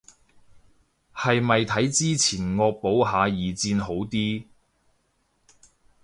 係咪睇之前惡補下二戰歷史好啲